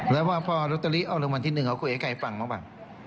แล้วว่าพอแร็กตัวรี่เอารุ่นมันที่หนึ่งเอาคุยให้ใครฟังมาว่า